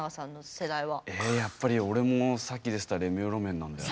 やっぱり俺もさっき出てたレミオロメンなんだよね。